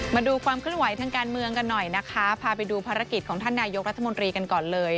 มาดูความเคลื่อนไหวทางการเมืองกันหน่อยนะคะพาไปดูภารกิจของท่านนายกรัฐมนตรีกันก่อนเลย